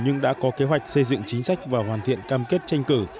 nhưng đã có kế hoạch xây dựng chính sách và hoàn thiện cam kết tranh cử